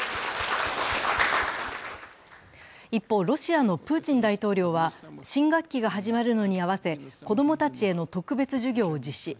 一方、ロシアのプーチン大統領は、新学期が始まるのに合わせ、子供たちへの特別授業を実施。